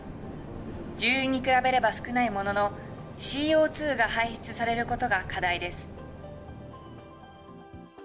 重油に比べれば少ないものの、ＣＯ２が排出されることが課題です。